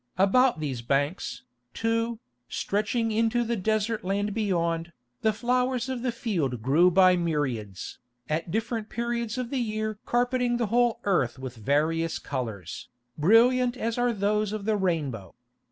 About these banks, too, stretching into the desert land beyond, the flowers of the field grew by myriads, at different periods of the year carpeting the whole earth with various colours, brilliant as are those of the rainbow.